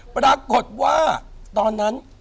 ปรากฏว่าตอนนั้น